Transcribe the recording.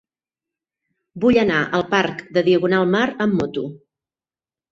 Vull anar al parc de Diagonal Mar amb moto.